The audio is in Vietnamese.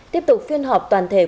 tiếp tục phiên họp toàn thể của